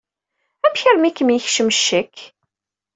Amek armi i kem-yekcem ccek?